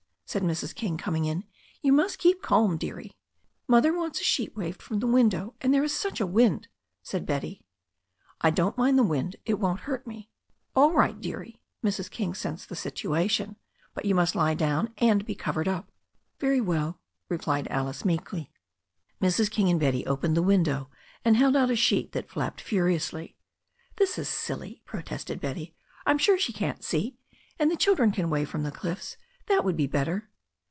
said Mrs. King, coming in. "You must keep calm, dearie." "Mother wants a sheet waved from the window, and there is such a wind," said Betty. "I don't mind the wind. It won't hurt me." *'A11 right, dearie." Mrs. King sensed the situation. "But you must lie down and be covered up." "Very well," replied Alice meekly. Mrs. King and Betty opened the window and held out a sheet that flapped furiously. "This is silly," protested Betty. "I'm sure she can't see, and the children can wave from the cliffs; that would be better."